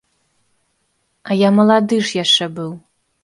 А я малады ж яшчэ быў.